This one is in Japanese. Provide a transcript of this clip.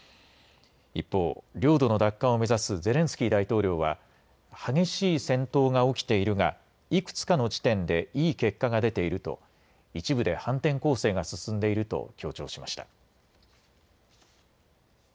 一方、領土の奪還を目指すゼレンスキー大統領は激しい戦闘が起きているがいくつかの地点でいい結果が出ていると一部で反転攻勢が進んでいると強調しました。